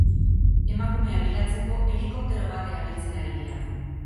Emakumea bilatzeko, helikoptero bat erabiltzen ari dira.